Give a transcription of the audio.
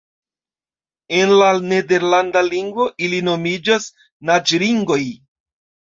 En la nederlanda lingvo ili nomiĝas naĝringoj.